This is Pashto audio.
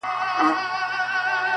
د ښار په جوارگرو باندي واوښتلې گراني _